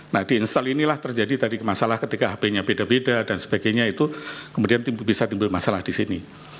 nah di install inilah terjadi tadi masalah ketika hp nya beda beda dan sebagainya itu kemudian bisa timbul masalah di sini